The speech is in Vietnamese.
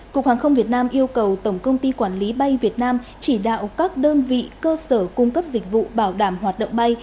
cục hàng không việt nam yêu cầu tổng công ty quản lý bay việt nam chỉ đạo các đơn vị cơ sở cung cấp dịch vụ bảo đảm hoạt động bay